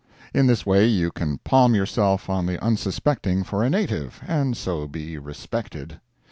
In this way you can palm yourself on the unsuspecting for a native, and so be respected.